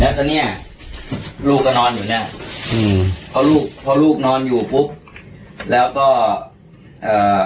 แล้วก็เนี้ยลูกก็นอนอยู่เนี้ยอืมเพราะลูกพอลูกนอนอยู่ปุ๊บแล้วก็เอ่อ